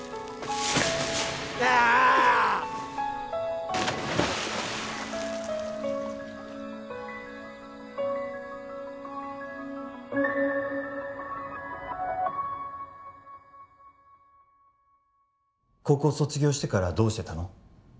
ああっ高校卒業してからどうしてたの？